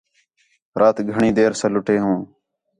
رات گھݨی دیر ساں لُٹے ہوں